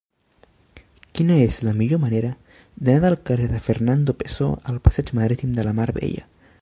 Quina és la millor manera d'anar del carrer de Fernando Pessoa al passeig Marítim de la Mar Bella?